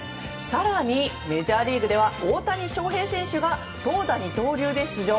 更にメジャーリーグでは大谷翔平選手が投打二刀流で出場。